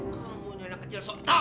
kamunya anak kecil sok tau